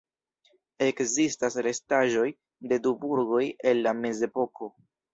Ekzistas restaĵoj de du burgoj el la mezepoko.